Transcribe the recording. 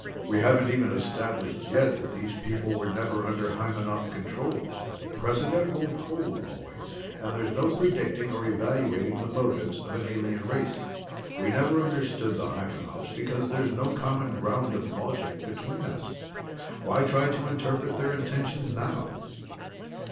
"We haven't even established yet that these people were never under Hymenop control. Precedent won't hold always, and there's no predicting nor evaluating the motives of an alien race. We never understood the Hymenops because there's no common ground of logic between us. Why try to interpret their intentions now?"